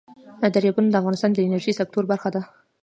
دریابونه د افغانستان د انرژۍ سکتور برخه ده.